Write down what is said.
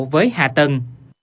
với hạ tầng